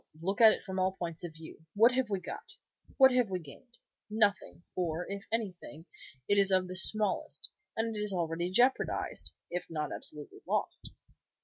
Look at it from all points of view. What have we got? What have we gained? Nothing, or, if anything, it is of the smallest, and it is already jeopardized, if not absolutely lost."